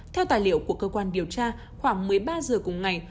theo tài liệu của cơ quan điều tra khoảng một mươi ba h cùng ngày